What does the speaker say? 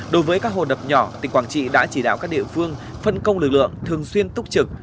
đối với các hồ đập nhỏ tỉnh quảng trị đã chỉ đạo các địa phương phân công lực lượng thường xuyên túc trực